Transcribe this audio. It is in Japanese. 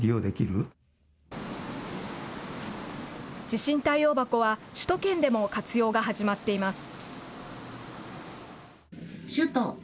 地震対応箱は、首都圏でも活用が始まっています。